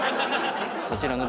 そちらの。